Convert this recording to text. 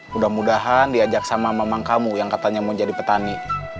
mudah mudahan diajak sama mamang kamu yang katanya mau jadi petani